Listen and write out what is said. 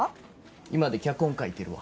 居間で脚本書いてるわ。